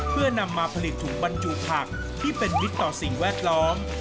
เพื่อนำมาผลิตถุงบรรจุผักที่เป็นมิตรต่อสิ่งแวดล้อม